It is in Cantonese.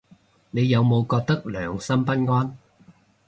你有冇覺得良心不安